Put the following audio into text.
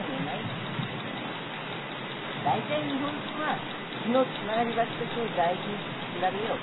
大体日本人は血のつながりばっかしを大事にしすぎだべよ。